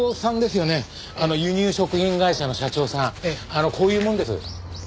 あのこういう者です。